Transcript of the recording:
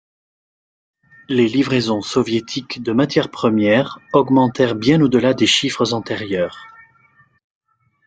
Les livraisons soviétiques de matières premières augmentèrent bien au-delà des chiffres antérieurs.